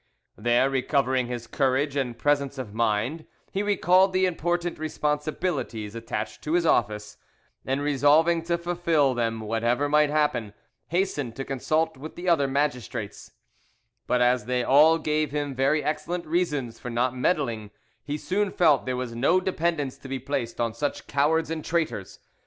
There, recovering his courage and presence of mind, he recalled the important responsibilities attached to his office, and resolving to fulfil them whatever might happen, hastened to consult with the other magistrates, but as they all gave him very excellent reasons for not meddling, he soon felt there was no dependence to be placed on such cowards and traitors.